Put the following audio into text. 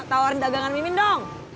tawarin dagangan mimin dong